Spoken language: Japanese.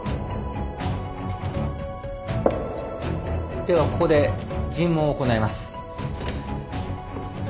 ではここで尋問を行います。